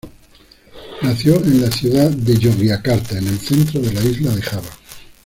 Nació en la ciudad de Yogyakarta, en el centro de la isla de Java.